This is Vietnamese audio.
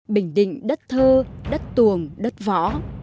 bình định đất thơ đất tuồng đất võ